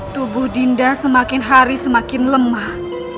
tubuh dinda semakin hari semakin lemah